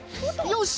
よし！